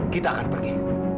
kita akan pergi